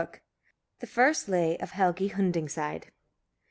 ] THE FIRST LAY OF HELGI HUNDINGCIDE.